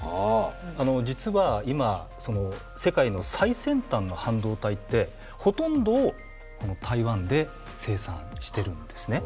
実は今世界の最先端の半導体ってほとんどをこの台湾で生産してるんですね。